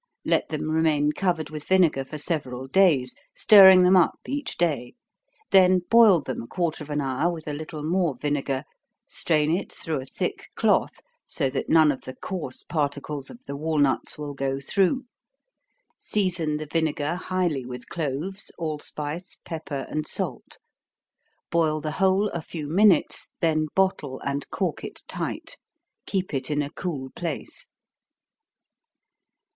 Let them remain covered with vinegar for several days, stirring them up each day then boil them a quarter of an hour with a little more vinegar, strain it through a thick cloth, so that none of the coarse particles of the walnuts will go through season the vinegar highly with cloves, allspice, pepper and salt. Boil the whole a few minutes, then bottle and cork it tight. Keep it in a cool place.